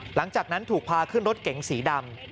หลังจากนั้นถูกพาขึ้นรถเก๋งสีดำ